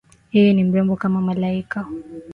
Yeye ni mrembo kama malaika